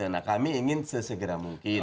nah kami ingin sesegera mungkin